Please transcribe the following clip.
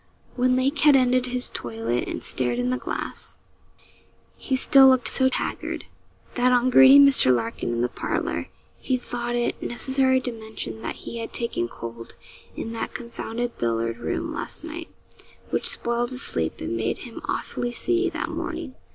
When Lake had ended his toilet and stared in the glass, he still looked so haggard, that on greeting Mr. Larkin in the parlour, he thought it necessary to mention that he had taken cold in that confounded billiard room last night, which spoiled his sleep, and made him awfully seedy that morning.